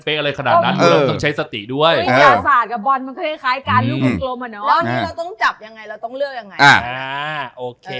เราต้องเลือกยังไง